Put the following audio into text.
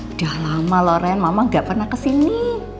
udah lama lho ren mama gak pernah ke sini